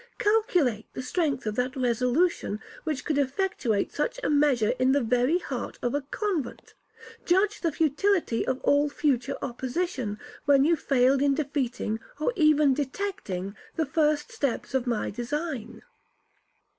Calculate the strength of that resolution which could effectuate such a measure in the very heart of a convent. Judge of the futility of all future opposition, when you failed in defeating, or even detecting, the first steps of my design.'